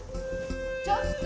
ちょっと！